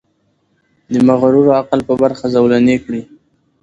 د مغرور عقل په برخه زولنې کړي.